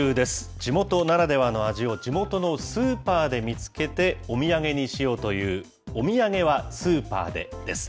地元ならではの味を、地元のスーパーで見つけて、お土産にしようという、お土産はスーパーで、です。